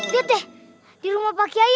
lihat deh di rumah pak kiai ada polisi